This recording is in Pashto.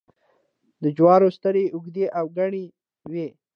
د جوارو سترۍ اوږدې او گڼې وي.